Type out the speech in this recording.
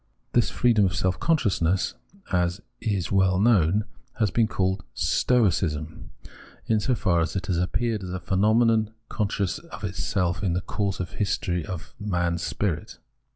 This freedom of self consciousness, as is well known, has been called Stoicism, in so far as it has appeared as a phenomenon conscious of itself in the course of the history of man's spirit.